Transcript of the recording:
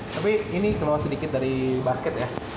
tapi ini keluar sedikit dari basket ya